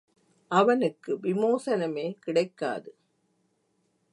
அவனுக்கு விமோசனமே கிடைக்காது.